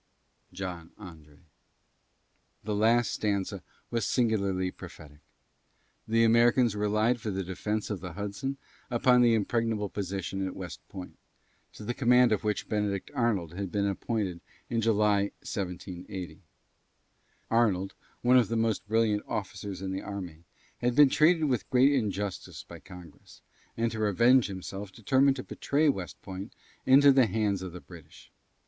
JOHN ANDRÉ. The last stanza was singularly prophetic. The Americans relied for the defence of the Hudson upon the impregnable position at West Point, to the command of which Benedict Arnold had been appointed in July, 1780. Arnold, one of the most brilliant officers in the army, had been treated with great injustice by Congress, and to revenge himself determined to betray West Point into the hands of the British.